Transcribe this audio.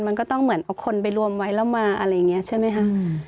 มันก็ต้องเหมือนเอาคนไปรวมไว้แล้วมาอะไรอย่างนี้ใช่ไหมคะ